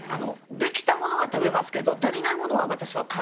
できたものは食べますけど足りないものは私は買う。